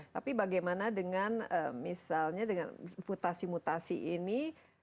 tapi bagaimana dengan misalnya dengan mutasi mutasi ini